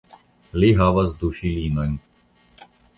Li havas du filinojn.